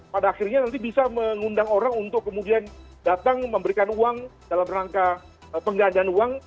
pada akhirnya nanti bisa mengundang orang untuk kemudian datang memberikan uang dalam rangka penggandaan uang